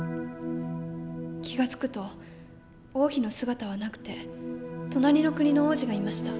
気が付くと王妃の姿はなくて隣の国の王子がいました。